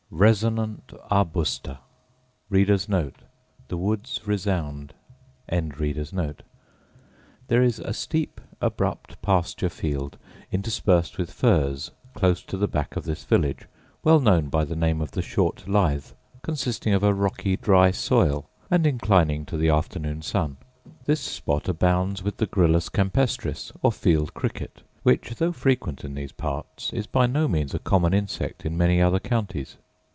… resonant arbusta … There is a steep abrupt pasture field interspersed with furze close to the back of this village, well known by the name of the Short Lithe, consisting of a rocky dry soil, and inclining to the afternoon sun. This spot abounds with the gryllus campestris, or field cricket; which, though frequent in these parts, is by no means a common insect in many other counties.